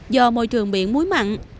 do môi trường biển múi mặn